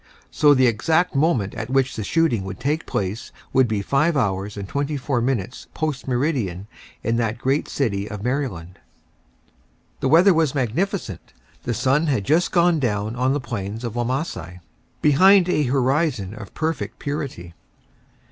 So the exact moment at which the shooting would take place would be 5 hours and 24 minutes post meridian in that great city of Maryland. The weather was magnificent. The sun had just gone down on the plains of Wamasai, behind a horizon of perfect purity.